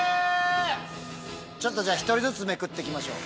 じゃあ一人ずつめくっていきましょう。